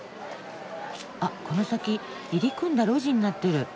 あっこの先入り組んだ路地になってる。